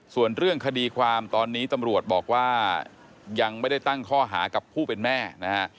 ส่วนเรื่องคดีความตอนนี้ตำรวจบอกว่ายังไม่ได้ตั้งข้อหากับผู้เป็นแม่นะฮะ